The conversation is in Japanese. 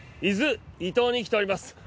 伊豆伊東に来ております。